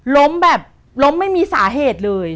ล้มแบบล้มไม่มีสาเหตุเลย